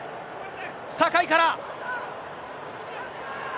酒井から。